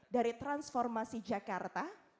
dari transformasi jakarta